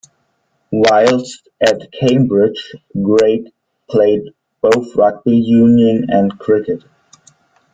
Whilst at Cambridge, Greig played both rugby union and cricket.